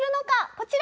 こちら！